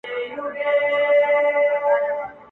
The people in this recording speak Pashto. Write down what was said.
دا ریښتونی تر قیامته شک یې نسته په ایمان کي.